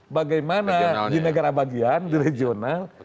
bagaimana di negara bagian di regional